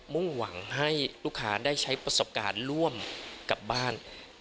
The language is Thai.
มุ่งหวังให้ลูกค้าได้ใช้ประสบการณ์ร่วมกับบ้าน